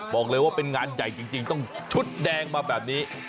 บอกเลยว่าเป็นงานใหญ่จริงต้องชุดแดงมาแบบนี้